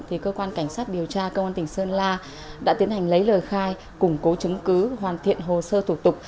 thì cơ quan cảnh sát điều tra công an tỉnh sơn la đã tiến hành lấy lời khai củng cố chứng cứ hoàn thiện hồ sơ thủ tục